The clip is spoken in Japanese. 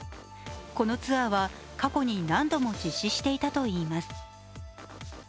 このツアーは過去に何度も実施していたといいます。